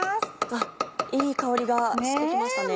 あっいい香りがしてきましたね。